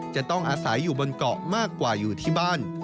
จะต้องอาศัยอยู่บนเกาะมากกว่าอยู่ที่บ้าน